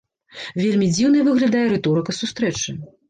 Вельмі дзіўнай выглядае рыторыка сустрэчы.